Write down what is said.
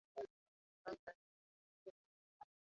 Ambapo tarehe thelathini na moja mwezi wa saba